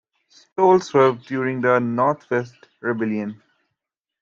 Stovel served during the North-West Rebellion.